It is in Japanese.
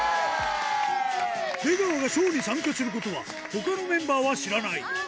出川がショーに参加することは、ほかのメンバーは知らない。